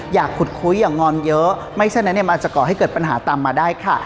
อยากขุดคุยอย่างอนเยอะไม่เช่นนั้นมันอาจจะก่อให้เกิดปัญหาตามมาได้ค่ะ